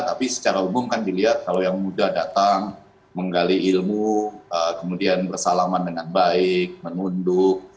tapi secara umum kan dilihat kalau yang muda datang menggali ilmu kemudian bersalaman dengan baik menunduk